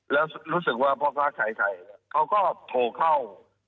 แล้วรู้สึกว่าพวกเขาขายไข่เขาก็โทรเข้า๑๖๙